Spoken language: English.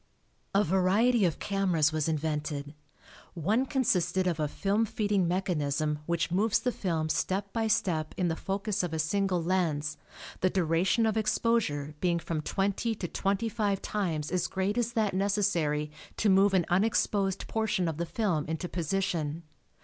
A variety of cameras was invented. One consisted of a film feeding mechanism which moves the film step by step in the focus of a single lens, the duration of exposure being from twenty to twenty five times as great as that necessary to move an unexposed portion of the film into position.